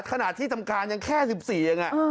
ขนาดที่ทำการยังแค่๑๔อย่างนี้